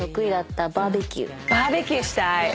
バーベキューしたい！